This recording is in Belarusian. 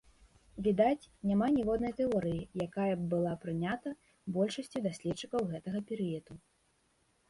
Відаць, няма ніводнай тэорыі, якая б была прыняты большасцю даследчыкаў гэтага перыяду.